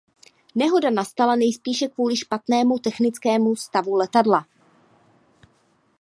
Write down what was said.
Nehoda nastala nejspíše kvůli špatnému technickému stavu letadla.